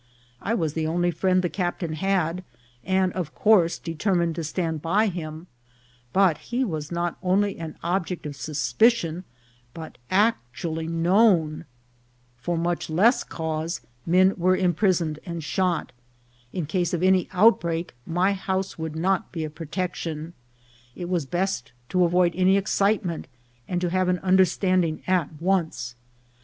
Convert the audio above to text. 1 was the only friend the captain had, and of course de termined to stand by him ; but he was not only an ob ject of suspicion, but actually known ; for much less cause men were imprisoned and shot ; in case of any outbreak, my house would not be a protection; it was best to avoid any excitement, and to have an under standing at once.